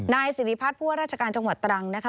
นายศิริพาทพวกราชการจังหวัดตรังนะคะ